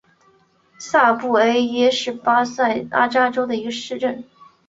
萨布埃鲁是巴西塞阿拉州的一个市镇。